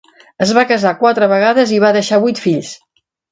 Es va casar quatre vegades i va deixar vuit fills.